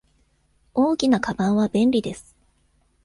大きなかばんは便利です。